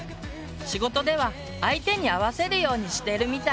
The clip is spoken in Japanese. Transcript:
仕事では相手に合わせるようにしてるみたい。